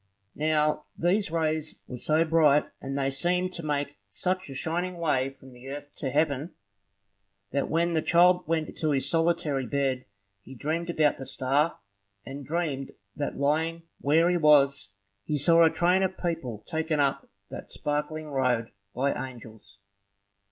Now, these rays were so bright, and they seemed to make such a shining way from earth to heaven, that when the child went to his solitary bed, he dreamed about the star; and dreamed that, lying where he was, he saw a train of people taken up that sparkling road by angels.